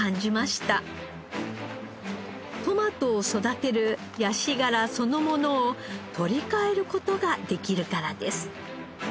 トマトを育てるヤシガラそのものを取り換える事ができるからです。